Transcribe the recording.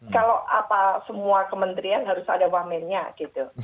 kalau apa semua kementerian harus ada wamennya gitu